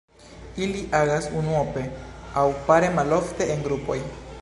Ili agas unuope aŭ pare, malofte en grupoj.